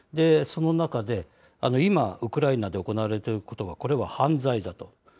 その中で、今、ウクライナで行われていることは、これは犯罪だと。